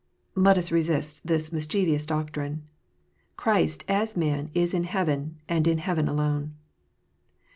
Let us resist this mischievous doctrine. Christ, as Man, is in heaven, and in heaven alone.